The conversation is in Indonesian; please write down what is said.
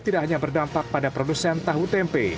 tidak hanya berdampak pada produsen tahu tempe